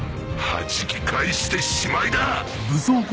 はじき返してしまいだ！